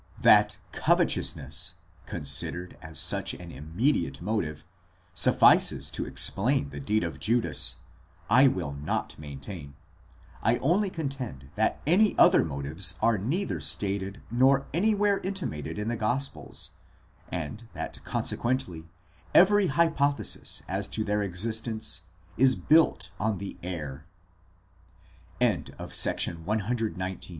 That covetousness, considered as such an immediate motive, suffices to explain the deed of Judas, I will not maintain; I only contend that any other motives are neither stated nor anywhere intimated in the gospels, and that consequently every hypothesis as to their existence is built on the